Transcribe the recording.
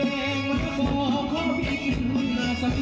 ไม่เกรงว่าจะบอกขอพี่กินหนักสักด้วย